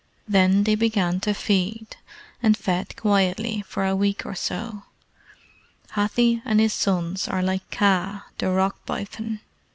Then they began to feed, and fed quietly for a week or so. Hathi and his sons are like Kaa, the Rock Python.